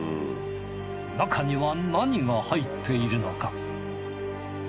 中には何が入っているのか？